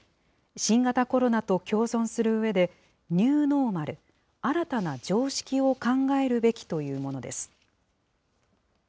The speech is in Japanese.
新型コロナと共存するうえで、ニューノーマル・新たな常識を考えるべきというものです。